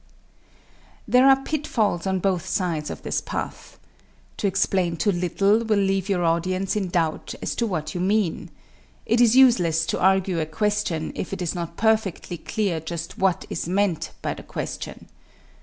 " There are pitfalls on both sides of this path. To explain too little will leave your audience in doubt as to what you mean. It is useless to argue a question if it is not perfectly clear just what is meant by the question.